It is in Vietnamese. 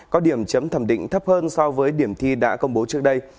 có điểm chấm thẩm định thấp hơn so với điểm thi đã công bố trước đây